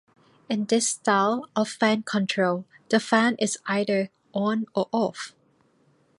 In this style of fan control, the fan is either on or off.